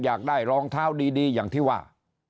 อยากได้รองเท้าดีอย่างที่ว่า